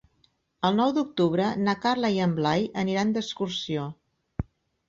El nou d'octubre na Carla i en Blai aniran d'excursió.